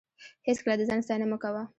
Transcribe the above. هېڅکله د ځان ستاینه مه کوه.